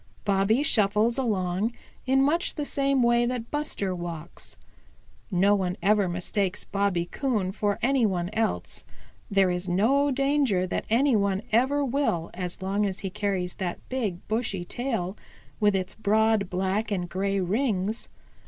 Bobby shuffles along in much the same way that Buster walks. No one ever mistakes Bobby Coon for any one else. There is no danger that any one ever will as long as he carries that big, bushy tail with its broad black and gray rings.